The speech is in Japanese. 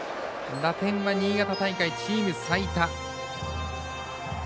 打点は新潟大会でチーム最多。